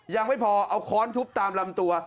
ยังไม่พอเอาค้อนทุบตามลำตัว